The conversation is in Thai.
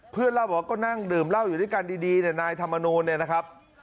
เพื่อนเล่าบอกว่าก็นั่งดื่มเหล้าอยู่ด้วยกันดีเนี่ยนายธรรมนูลเนี่ยนะครับ